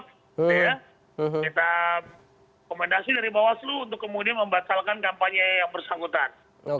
kitarareb seperti terukur dan debol pembahasan dari bahwa seluruh untuk kemudian membacalkan kampanye yang bersangkutan